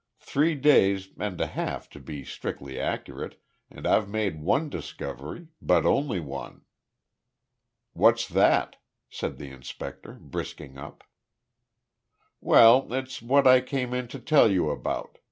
Three days and a half, to be strictly accurate, and I've made one discovery, but only one." "What's that?" said the inspector, brisking up. "Well, it's what I came in to tell you about.